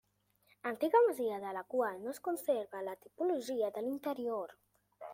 Antiga masia, de la qual no es conserva la tipologia de l'interior.